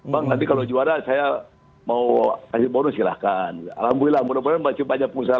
banget kalau juara saya mau kasih bonus silakan alhamdulillah mudah mudahan masih banyak usaha